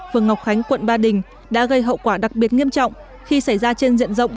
phường ngọc khánh quận ba đình đã gây hậu quả đặc biệt nghiêm trọng khi xảy ra trên diện rộng